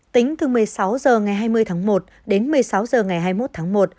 tính từ một mươi sáu h ngày hai mươi tháng một đến một mươi sáu h ngày hai mươi một tháng một